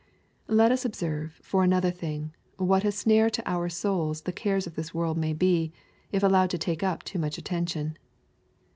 Let us observe, for another thing, what a snare to our souls the cares of this world may 6e, if allowed to take up too much attention.